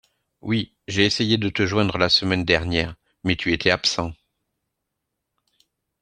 Oui, j'ai essayé de te joindre la semaine dernière, mais tu étais absent.